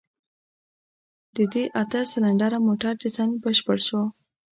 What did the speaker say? د دې اته سلنډره موټر ډيزاين بشپړ شو.